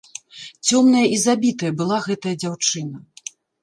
Цёмная і забітая была гэтая дзяўчына.